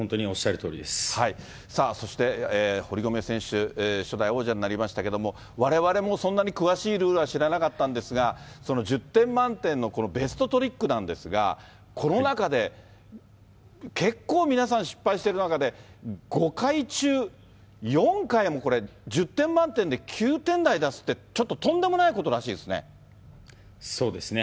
さあ、そして堀米選手、初代王者になりましたけども、われわれもそんなに詳しいルールは知らなかったんですが、１０点満点のベストトリックなんですが、この中で結構、皆さん失敗してる中で、５回中４回もこれ、１０点満点で９点台出すって、ちょっととんでもないことらしいですね。